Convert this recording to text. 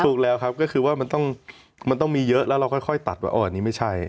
ถูกแล้วครับก็คือว่ามันต้องมีเยอะแล้วเราค่อยตัดว่าอันนี้ไม่ใช่